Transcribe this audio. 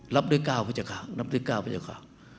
รับด้วยก้าวพระเจ้าค่ะรับด้วยก้าวพระเจ้าค่ะ